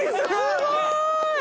すごい！